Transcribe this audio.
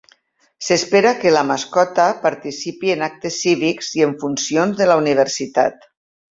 S"espera que la mascota participi en actes cívics i en funcions de la universitat.